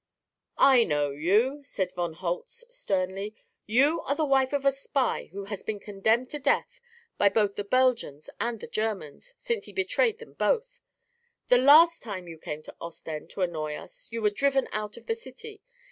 "I know you," said von Holtz sternly. "You are the wife of a spy who has been condemned to death by both the Belgians and the Germans, since he betrayed them both. The last time you came to Ostend to annoy us you were driven out of the city.